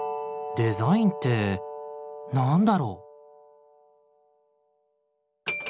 「デザインって何だろう？」。